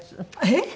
えっ？